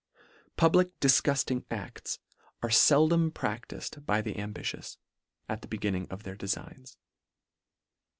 Public difgufting acls are feldom pradtifed by the ambitious, at the beginning of their defigns.